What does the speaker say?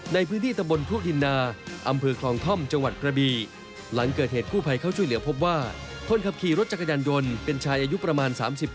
ในพื้นที่ตะบลภูคดินา